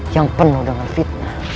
yang penuh dengan fitnah